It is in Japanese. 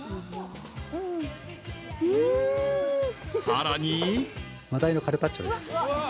［さらに］マダイのカルパッチョです。